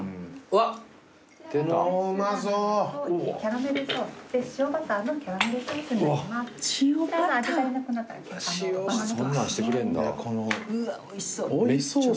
うわおいしそう。